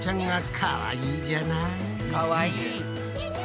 かわいい。